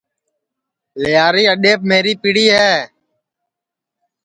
لیاری اڈؔیپ میری پڑی ہے